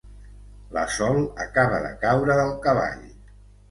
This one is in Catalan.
La Sol acaba de caure del cavall.